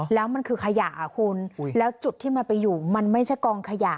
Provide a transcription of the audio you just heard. แล้วมันคือขยะคุณแล้วจุดที่มันไปอยู่มันไม่ใช่กองขยะ